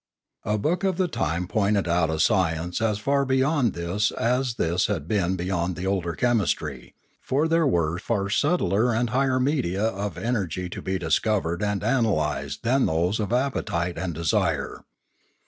Religion 683 A book of the time pointed out a science as far be yond this as this had been beyond the older chemistry, for there were far subtler and higher media of energy to be discovered and analysed than those of appetite and desire.